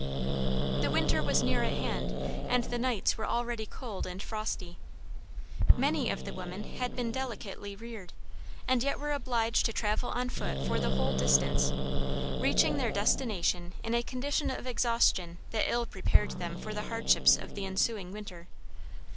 The winter was near at hand, and the nights were already cold and frosty. Many of the women had been delicately reared, and yet were obliged to travel on foot for the whole distance, reaching their destination in a condition of exhaustion that ill prepared them for the hardships of the ensuing winter.